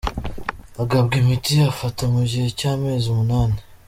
Agabwa imiti afata mu gihe cy’ amezi umunani.